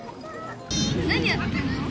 何やってるの？